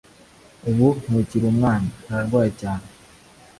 ubu. ntukiri umwana. ararwaye cyane